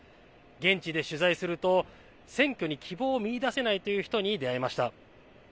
現地で取材すると選挙に希望を見いだせないという人に出会いました。